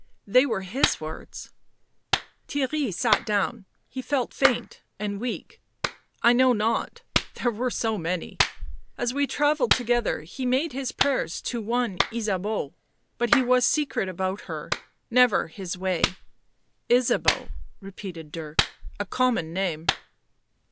They were his words." Theirry sat down ; he felt faint and weak. " I know not. There were so many. As we travelled together he made his prayers to one Ysabeau, but he was secret about her — never his way." " Ysabeau," repeated Dirk. " A common name."